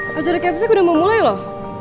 pajara kentisnya udah mau mulai loh